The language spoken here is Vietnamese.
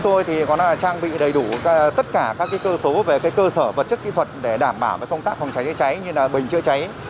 tất cả các cơ sở vật chất kỹ thuật để đảm bảo công tác phòng cháy chữa cháy như bình chữa cháy